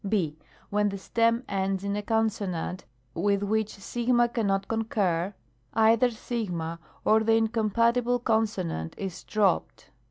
II. When the stem ends in a consonant with which 6 cannot concur (§8), either 6 or the incompatible con sonant is dropped.